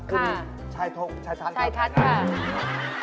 ค่ะคุณชัยทุกค์ชัยชันค์ครับครับคุณชัยครับ